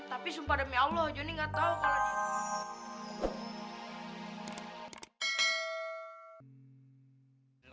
tapi sumpah demi allah jonny gatau kalo